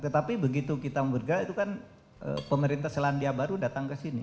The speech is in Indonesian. tetapi begitu kita bergerak itu kan pemerintah selandia baru datang ke sini